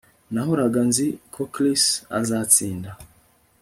Nahoraga nzi ko Chris azatsinda